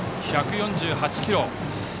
１４８キロ。